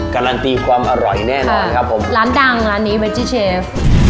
การันตีความอร่อยแน่นอนครับผมร้านดังร้านนี้เวจิเชฟ